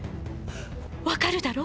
分かるだろ？